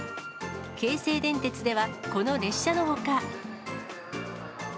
京成電鉄では、この列車のほか。